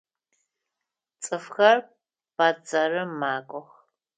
Цӏыфхэр бэдзэрым макӏох.